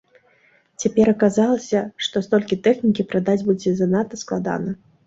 Цяпер аказалася, што столькі тэхнікі прадаць будзе занадта складана.